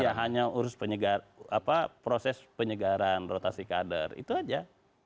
ya hanya urus proses penyegaran rotasi kader itu aja